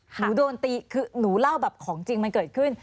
หนูโดนตีคือหนูเล่าแบบของจริงมันเกิดขึ้น